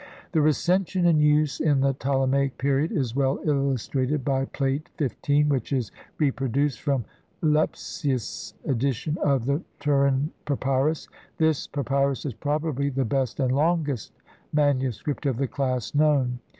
The Recension in use in the Ptolemaic period is well illustrated by Plate XV, which is reproduced from Lepsius' edition of the Turin Papyrus ; this pa pyrus is probably the best and longest MS. of the class known.